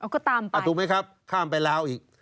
ก็ตามไปถูกไหมครับข้ามไปลาวอีก